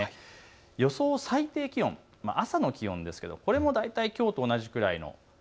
予想最低気温、朝の気温ですが、これも大体きょうと同じくらい。